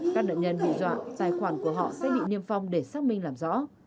các nạn nhân bị dọa tài khoản của họ sẽ bị niêm phong để xác minh làm rõ